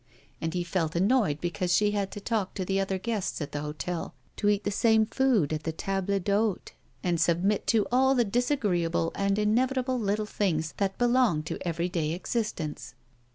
And he felt annoyed because she had to talk to the other guests at the hotel, to eat the same food at the table d'hôte, and submit to all the disagreeable and inevitable little things that belong to everyday existence.